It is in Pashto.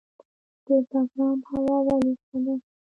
د بګرام هوا ولې ښه ده؟